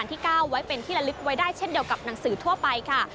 ที่ก้าวไว้เป็นที่ละลึกไว้ได้เช่นเดียวกับหนังสือทั่วไปค่ะ